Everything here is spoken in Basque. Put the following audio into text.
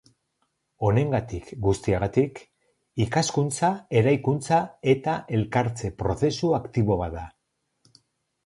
Honengatik guztiagatik, ikaskuntza eraikuntza eta elkartze prozesu aktibo bat da.